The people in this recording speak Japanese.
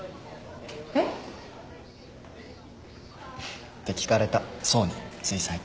えっ？って聞かれた想につい最近。